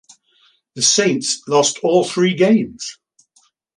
The Saints lost all three games.